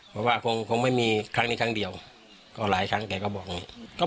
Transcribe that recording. เพราะว่าคงไม่มีครั้งนี้ครั้งเดียวก็หลายครั้งแกก็บอกอย่างนี้